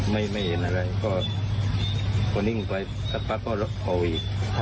ไม่เห็นอะไรก็พอนิ่งไปสักพักก็เผาอีก